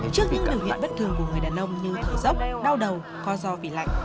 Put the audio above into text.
trước những biểu hiện bất thường của người đàn ông như thở dốc đau đầu co do vì lạnh